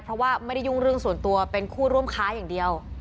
เพราะว่าไม่ได้ยุ่งเรื่องส่วนตัวเป็นคู่ร่วมค้าอย่างเดียว